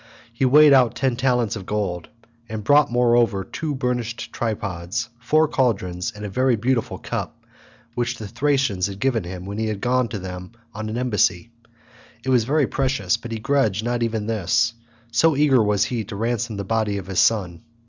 He weighed out ten talents of gold, and brought moreover two burnished tripods, four cauldrons, and a very beautiful cup which the Thracians had given him when he had gone to them on an embassy; it was very precious, but he grudged not even this, so eager was he to ransom the body of his son.